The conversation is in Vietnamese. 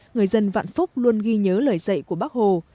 người dân vạn phúc luôn ghi nhớ lời dạy của bác hồ